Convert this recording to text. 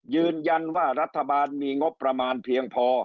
ยืนยันว่ารัฐบาลมีงบประมาณเพียงพอ